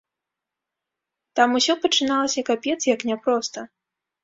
Там усё пачыналася капец як няпроста.